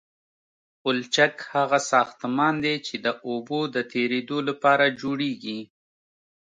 پلچک هغه ساختمان دی چې د اوبو د تیرېدو لپاره جوړیږي